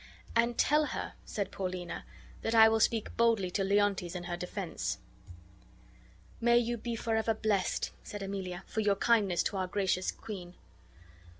"And tell her," said Paulina. "that I will speak boldly to Leontes in her defense." "May you be forever blessed," said Emilia, "for your kindness to our gracious queen!"